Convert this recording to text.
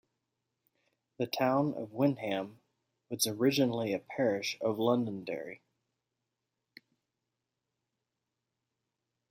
The town of Windham was originally a parish of Londonderry.